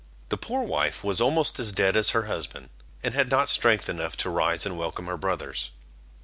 The poor wife was almost as dead as her husband, and had not strength enough to rise and welcome her brothers.